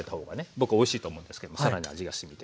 僕おいしいと思うんですけども更に味がしみて。